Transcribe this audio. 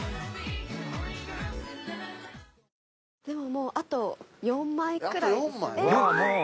でももうあと４枚くらいですね。